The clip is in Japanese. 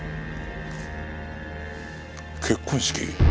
結婚式？